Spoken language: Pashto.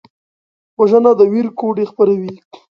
وژنه د ویر کوډې خپروي